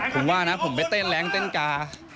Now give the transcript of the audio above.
ผมว่านะผมไปเต้นแรงเต้นกา